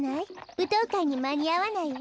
ぶとうかいにまにあわないわ。